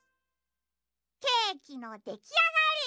ケーキのできあがり。